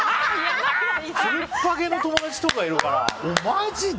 つるっぱげの友達とかいるからマジで？